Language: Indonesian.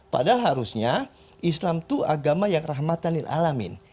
padahal harusnya islam itu agama yang rahmatanil alamin